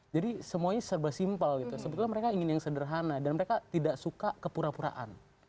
jadi semuanya serba simpel gitu sebetulnya mereka ingin yang sederhana dan mereka tidak suka kepura puraan